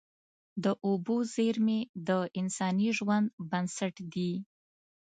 د اوبو زیرمې د انساني ژوند بنسټ دي.